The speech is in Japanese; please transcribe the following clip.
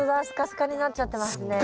スカスカになっちゃってますね。